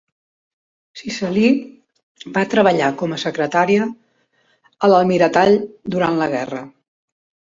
Cicely va treballar com a secretària a l'Almiratall durant la guerra.